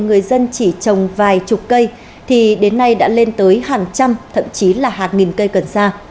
người dân chỉ trồng vài chục cây thì đến nay đã lên tới hàng trăm thậm chí là hàng nghìn cây cần sa